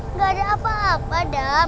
nggak ada apa apa dak